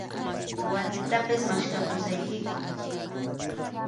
Warmitapas maskhapusaykiku.